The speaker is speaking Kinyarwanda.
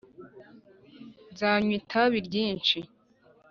nzanywa itabi ryinshi